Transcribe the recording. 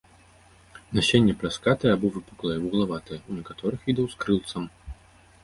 Насенне пляскатае або выпуклае, вуглаватае, у некаторых відаў з крылцам.